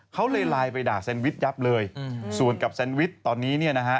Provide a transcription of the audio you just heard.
เขาเลยไลน์ไปด่าแซนวิชยับเลยส่วนกับแซนวิชตอนนี้เนี่ยนะฮะ